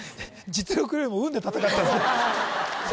実力よりも運で戦ってたんですね